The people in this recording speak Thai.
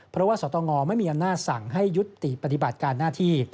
เพราะว่าสตงไม่มีอำนาจสั่งให้ยุติปฏิบัติการหน้าที่